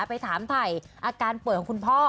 ไปถามถ่ายอาการป่วยของคุณพ่อ